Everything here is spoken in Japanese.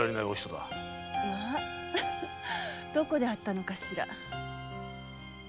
まあどこで会ったのかしら。